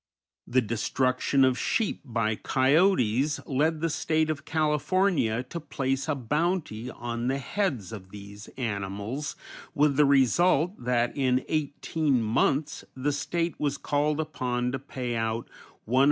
The destruction of sheep by coyotes led the State of California to place a bounty on the heads of these animals, with the result that in eighteen months the State was called upon to pay out $187,485.